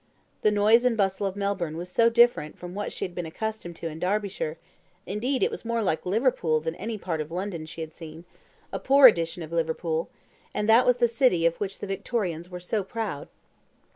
The noise and bustle of Melbourne was so different from what she had been accustomed to in Derbyshire indeed it was more like Liverpool than any part of London she had seen a poor edition of Liverpool; and that was the city of which the Victorians were so proud.